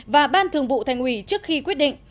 và ban thường vụ thành ủy trước khi quyết định